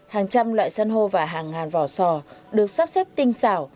hàng trăm loại san hô và hàng ngàn vỏ sò được sắp xếp tinh xảo